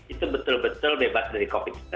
itu betul betul bebas dari covid sembilan belas